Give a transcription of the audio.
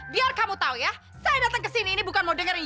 biar kamu tahu ya saya datang ke sini ini bukan mau dengerin